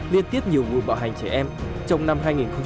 liên tiếp nhiều vụ bạo hành trẻ em trong năm hai nghìn một mươi năm